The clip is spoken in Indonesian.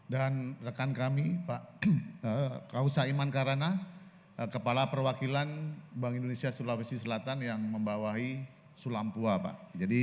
dan rekan kami pak kausa iman karana kepala perwakilan bank indonesia sulawesi selatan yang membawahi sulampua pak